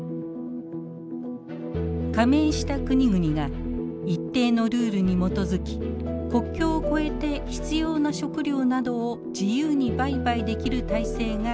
加盟した国々が一定のルールに基づき国境を超えて必要な食料などを自由に売買できる体制が構築されました。